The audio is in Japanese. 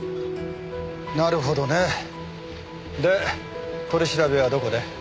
なるほどね。で取り調べはどこで？